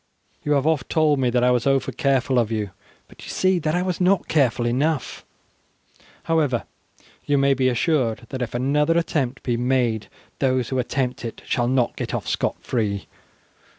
You have oft told me that I was over careful of you, but you see that I was not careful enough, however, you may be assured that if another attempt be made those who attempt it shall not get off scot free.